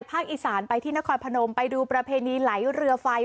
อีสานไปที่นครพนมไปดูประเพณีไหลเรือไฟ